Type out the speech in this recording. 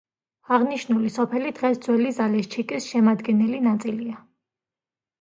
აღნიშნული სოფელი დღეს ძველი ზალეშჩიკის შემადგენელი ნაწილია.